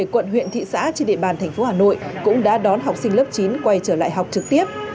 một mươi quận huyện thị xã trên địa bàn thành phố hà nội cũng đã đón học sinh lớp chín quay trở lại học trực tiếp